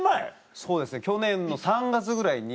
そうですね去年の３月ぐらいに。